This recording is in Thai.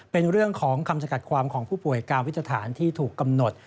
เป็นเรื่องของคำสกัดความของผู้ป่วยกาวิตรฐานที่ถูกกำหนด